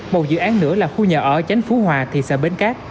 một dự án nữa là khu nhà ở chánh phú hòa thị xã bến cát